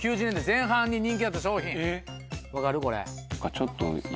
ちょっと。